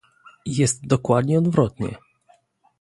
Jest dokładnie odwrotnie